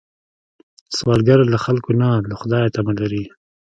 سوالګر له خلکو نه، له خدایه تمه لري